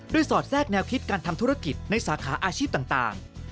สอดแทรกแนวคิดการทำธุรกิจในสาขาอาชีพต่าง